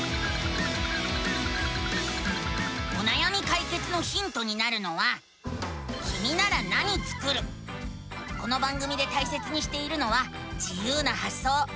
おなやみかいけつのヒントになるのはこの番組でたいせつにしているのは自ゆうなはっそう。